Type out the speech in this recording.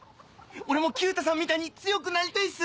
俺も九太さんみたいに強くなりたいっす！